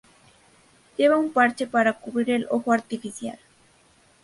Lleva un parche para cubrir el ojo artificial.